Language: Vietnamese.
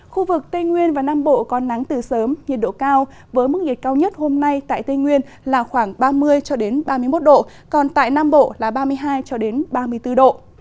khu vực tây nguyên và nam bộ có nắng từ sớm nhiệt độ cao với mức nhiệt cao nhất hôm nay tại tây nguyên là khoảng ba mươi ba mươi một độ còn tại nam bộ là ba mươi hai ba mươi bốn độ